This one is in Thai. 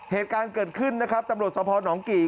เหตุการณ์เกิดขึ้นนะครับตำรวจสภหนองกี่